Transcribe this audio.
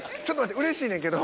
うれしいねんけど。